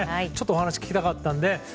ちょっとお話を聞きたかったので。